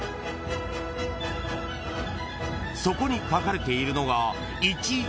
［そこに書かれているのが］